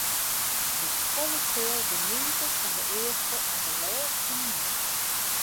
De folle seal geniete fan de earste oant de lêste minút.